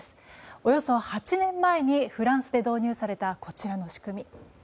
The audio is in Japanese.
およそ８年前にフランスで導入されたこちらの仕組み。